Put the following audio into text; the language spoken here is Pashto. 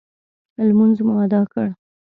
لمونځ مو اداء کړ.